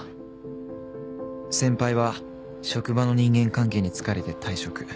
先輩は職場の人間関係に疲れて退職。